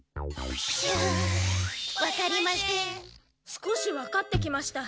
少しわかってきました。